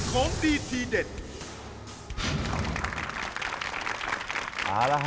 ของดีทีเด็ด